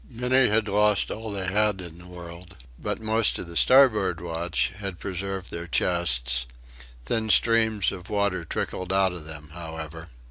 Many had lost all they had in the world, but most of the starboard watch had preserved their chests; thin streams of water trickled out of them, however.